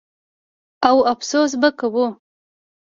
او افسوس به کوو.